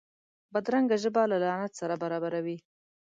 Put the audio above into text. بدرنګه ژبه له لعنت سره برابره وي